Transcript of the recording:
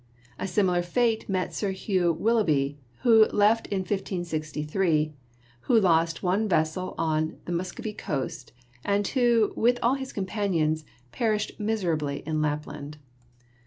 A similar fate met Sir Hugh Wil loughby, who left in 1563, who lost one vessel on "The Muscovy Coast," and who, with all his companions, per ished miserably in Lapland.